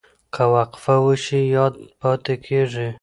که وقفه وشي یاد پاتې کېږي.